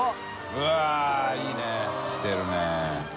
うわっいいね来てるね。